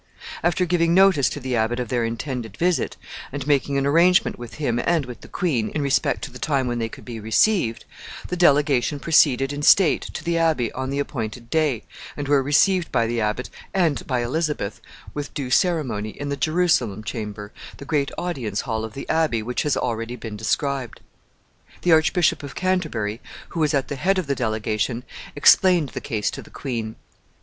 After giving notice to the abbot of their intended visit, and making an arrangement with him and with the queen in respect to the time when they could be received, the delegation proceeded in state to the Abbey on the appointed day, and were received by the abbot and by Elizabeth with due ceremony in the Jerusalem chamber, the great audience hall of the Abbey, which has already been described. The Archbishop of Canterbury, who was at the head of the delegation, explained the case to the queen.